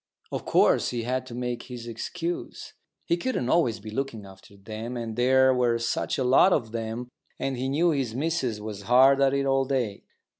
Of course he had to make his excuse. He couldn't always be looking after them, and there were such a lot of them, and he knew his missus was hard at it all day.